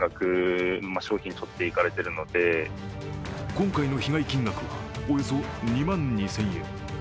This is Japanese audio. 今回の被害金額はおよそ２万２０００円。